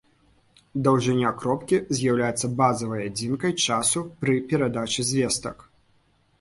Даўжыня кропкі з'яўляецца базавай адзінкай часу пры перадачы звестак.